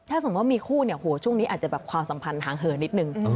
ถ้าสมมุติว่ามีคู่เนี่ยโหช่วงนี้อาจจะแบบความสัมพันธ์ทางเหินนิดนึง